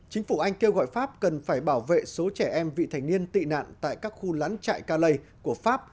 chính phủ anh kêu gọi pháp cần phải bảo vệ số trẻ em vị thành niên tị nạn tại các khu lán trại kalai của pháp